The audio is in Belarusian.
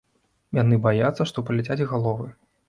Яны баяцца, што паляцяць галовы.